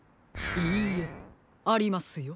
いいえありますよ。